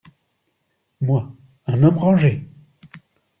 Moi ; un homme rangé !…